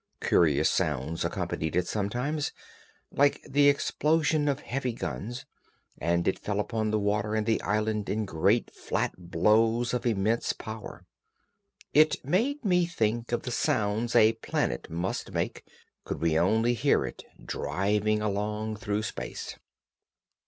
Curious sounds accompanied it sometimes, like the explosion of heavy guns, and it fell upon the water and the island in great flat blows of immense power. It made me think of the sounds a planet must make, could we only hear it, driving along through space.